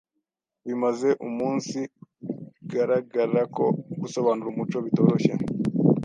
Bimaze umunsigaragara ko gusobanura umuco bitoroshye;